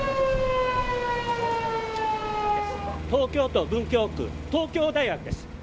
東京都文京区、東京大学です。